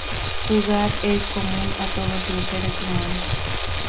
Jugar es común a todos los seres humanos.